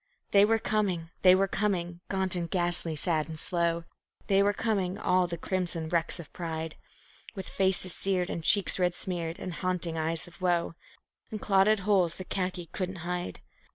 They were coming, they were coming, gaunt and ghastly, sad and slow; They were coming, all the crimson wrecks of pride; With faces seared, and cheeks red smeared, and haunting eyes of woe, And clotted holes the khaki couldn't hide.